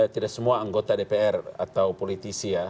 tidak semua anggota dpr atau politisi ya